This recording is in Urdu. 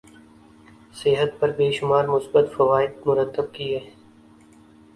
صحت پر بے شمار مثبت فوائد مرتب کیے ہیں